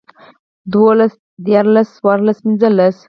دولس ديارلس څوارلس پنځلس